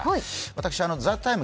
私、「ＴＨＥＴＩＭＥ，」